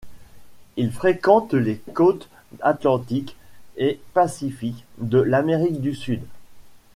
Il fréquente les côtes Atlantique et Pacifique de l’Amérique du Sud.